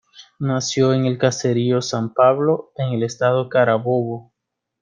Nació en el caserío San Pablo, en el estado Carabobo.